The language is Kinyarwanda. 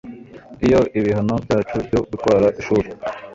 iyo ibihano byacu byo gutwara ishuri